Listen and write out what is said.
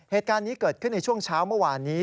เหตุการณ์นี้เกิดขึ้นในช่วงเช้าเมื่อวานนี้